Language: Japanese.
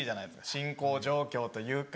進行状況というか。